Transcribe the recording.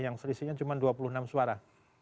yang selisihnya cuma dua puluh enam suara